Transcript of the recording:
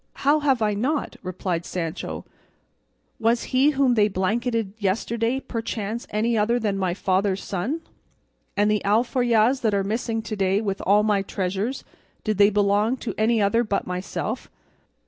"How have I not?" replied Sancho; "was he whom they blanketed yesterday perchance any other than my father's son? and the alforjas that are missing to day with all my treasures, did they belong to any other but myself?"